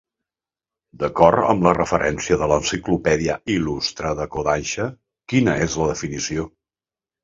D'acord amb la referència de l'Enciclopèdia Il·lustrada Kodansha, quina és la definició?